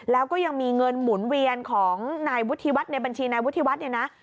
แล้วก็ยังมีเงินหมุนเวียนของนายวุฒิวัฒน์ในบัญชีนายวุฒิวัฒน์เนี่ยนะ